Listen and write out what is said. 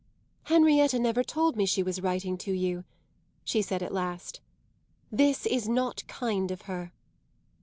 "Henrietta never told me she was writing to you," she said at last. "This is not kind of her."